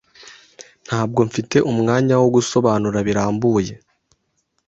Ntabwo mfite umwanya wo gusobanura birambuye